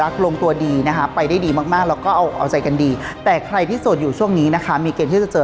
กันดีแต่ใครที่โสดอยู่ช่วงนี้นะคะมีเกณฑ์ที่จะเจอ